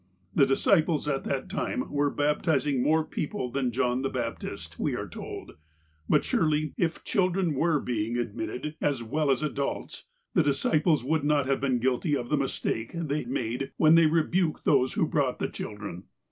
The disciples at that time were baptizing more peo ple than John the Baptist, we are told, but, surely, if children were being admitted, as well as adults, the disciples would not have been guilty of the mistake they made when they 're buked those that brought the children.'